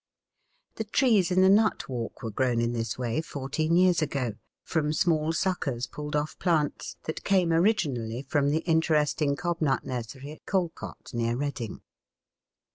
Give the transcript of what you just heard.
The trees in the nut walk were grown in this way fourteen years ago, from small suckers pulled off plants that came originally from the interesting cob nut nursery at Calcot, near Reading.